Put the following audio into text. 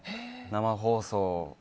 生放送。